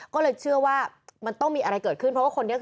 ก็เลยเชื่อว่ามันต้องมีอะไรเกิดขึ้น